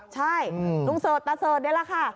ใช่ลุงเสิร์ตตาเสิร์ชนี่แหละค่ะ